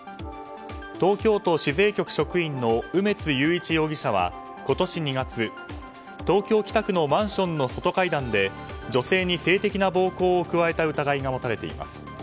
東京都主税局職員の梅津裕一容疑者は今年２月、東京・北区のマンションの外階段で女性に性的な暴行を加えた疑いが持たれています。